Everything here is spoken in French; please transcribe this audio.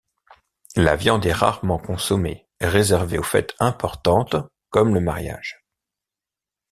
La viande est rarement consommée, réservée aux fêtes importantes comme le mariage.